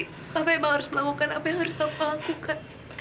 papa emang harus melakukan apa yang harus papa lakukan